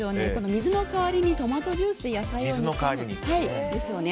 水の代わりにトマトジュースで野菜を煮込むんですね。